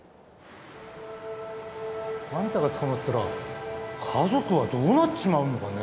あんたが捕まったら家族はどうなっちまうのかね？